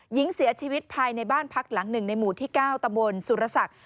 หญิงเสียชีวิตภายในบ้านพักหลังหนึ่งในหมู่ที่๙ตำบลสุรศักดิ์